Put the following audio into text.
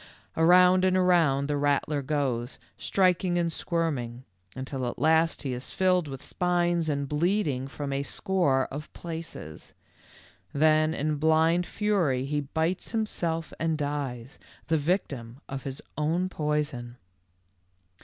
Around and around the rattler goes, striking and squirming, until at last he is filled with spines and bleeding from a score of places. Then in blind fury he bites himself and dies, the victim of his own poison."